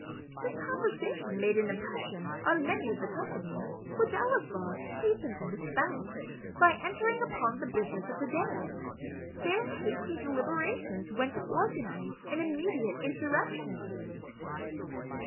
This conversation made an impression on many of the company, which Ellieslaw hastened to dispel, by entering upon the business of the day. Their hasty deliberations went to organize an immediate insurrection.